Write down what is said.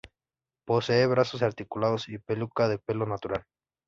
Posee brazos articulados y peluca de pelo natural.